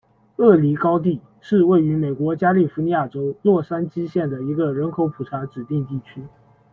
鳄梨高地是位于美国加利福尼亚州洛杉矶县的一个人口普查指定地区。